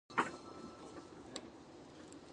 あとなんこ書かなきゃいけないのだろう